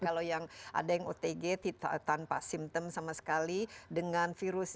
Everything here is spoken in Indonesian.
kalau yang ada yang otg tanpa simptom sama sekali dengan virus